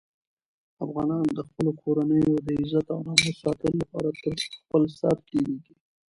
افغانان د خپلو کورنیو د عزت او ناموس ساتلو لپاره تر خپل سر تېرېږي.